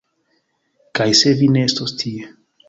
Kaj se vi ne estos tie!